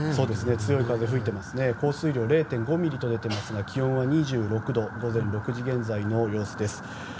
強い風が吹いていて降水量が０．５ミリと出ていますが気温は２６度午前６時現在の様子です。